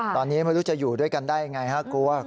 ตอนนี้มันจะอยู่ด้วยกันได้ยังไงครับ